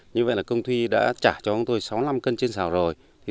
như vậy là công ty đã trả cho chúng tôi sáu mươi năm cân trên xào rồi